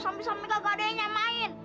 sambil sambil kakak adeknya main